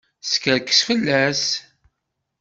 Teskerkes fell-as.